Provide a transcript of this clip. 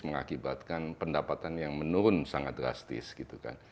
mengakibatkan pendapatan yang menurun sangat drastis gitu kan